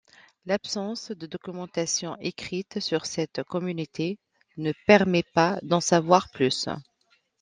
L'absence de documentation écrite sur cette communauté ne permet pas d'en savoir plus.